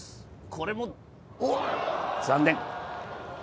これも残念。